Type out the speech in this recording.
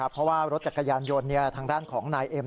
เพราะว่ารถจักรยานยนต์ทางด้านของนายเอ็ม